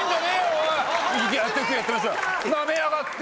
なめやがって！